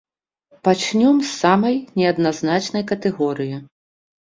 Пачнём з самай неадназначнай катэгорыі.